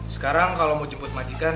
sekarang kalau mau jemput majikan